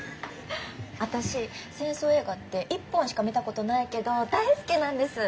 私戦争映画って一本しか見たことないけど大好きなんです。